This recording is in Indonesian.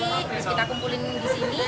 terus kita kumpulin di sini